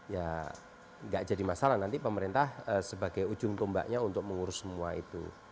ya nggak jadi masalah nanti pemerintah sebagai ujung tombaknya untuk mengurus semua itu